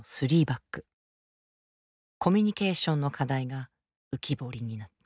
コミュニケーションの課題が浮き彫りになった。